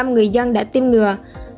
một trăm linh người dân đã tiêm ngừa